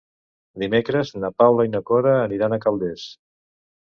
Dimecres na Paula i na Cora aniran a Calders.